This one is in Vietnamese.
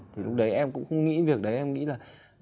thì lúc đấy em cũng không nghĩ việc đấy em nghĩ là